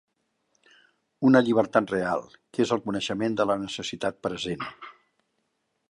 Una llibertat real, que és el coneixement de la necessitat present.